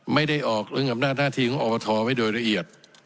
ไม่ได้ออกนะทีต้องออธอยไว้โดยละเอียด